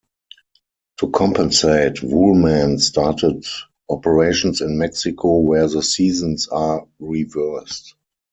To compensate, Woolman started operations in Mexico where the seasons are reversed.